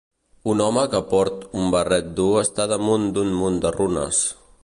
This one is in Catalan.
Un home que port un barret dur està damunt d'un munt de runes.